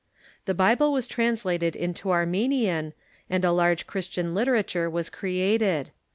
The Bible was translated into Arme nian, and a large Christian literature was created.